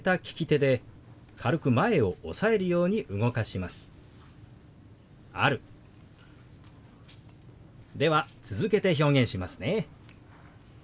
では続けて表現しますね。